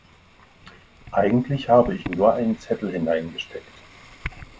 Eigentlich habe ich nur einen Zettel hineingesteckt.